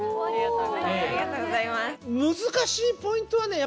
難しいポイントはね